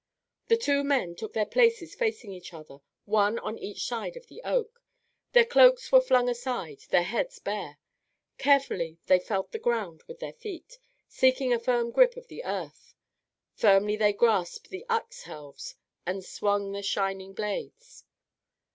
The two men took their places facing each other, one on each side of the oak. Their cloaks were flung aside, their heads bare. Carefully they felt the ground with their feet, seeking a firm grip of the earth. Firmly they grasped the axe helves and swung the shining blades.